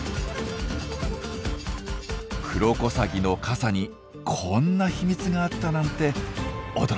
クロコサギの傘にこんな秘密があったなんて驚きです。